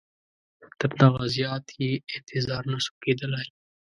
تر دغه زیات یې انتظار نه سو کېدلای.